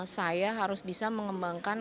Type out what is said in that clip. saya harus bisa mengembangkan